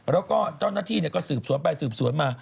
แล้วก็เจ้าหน้าที่ก็สืบสวนไปสืบสวนมา